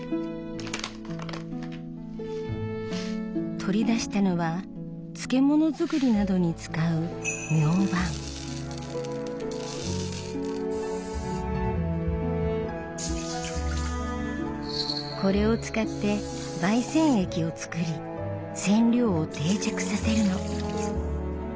取り出したのは漬物作りなどに使うこれを使って媒染液を作り染料を定着させるの。